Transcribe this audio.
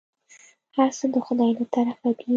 هرڅه د خداى له طرفه دي.